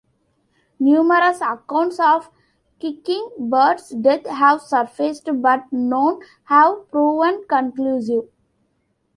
Numerous accounts of Kicking Bird's death have surfaced but none have proven conclusive.